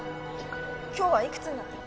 今日はいくつになってる？